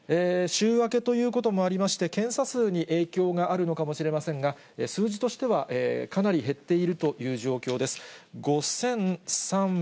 週明けということもありまして、検査数に影響があるのかもしれませんが、数字としてはかなり減っているという状況です。